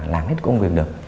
làm hết công việc được